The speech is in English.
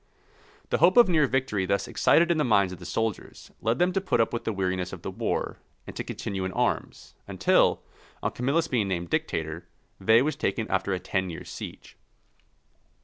The hope of near victory thus excited in the minds of the soldiers, led them to put up with the weariness of the war, and to continue in arms; until, on Camillus being named dictator, Veii was taken after a ten years' siege.